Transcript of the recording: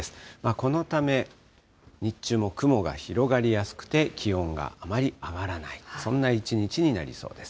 このため、日中も雲が広がりやすくて、気温があまり上がらない、そんな一日になりそうです。